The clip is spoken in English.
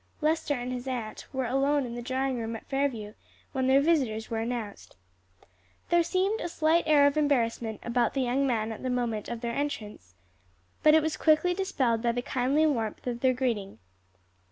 Lester and his aunt were alone in the drawing room at Fairview, when their visitors were announced. There seemed a slight air of embarrassment about the young man at the moment of their entrance; but it was quickly dispelled by the kindly warmth of their greeting.